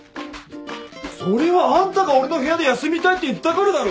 それはあんたが俺の部屋で休みたいって言ったからだろ！？